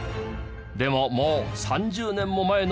でももう３０年も前の事。